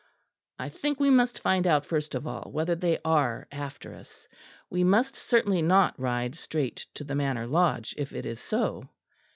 "I think we must find out first of all whether they are after us. We must certainly not ride straight to the Manor Lodge if it is so."